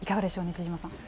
西嶋さん。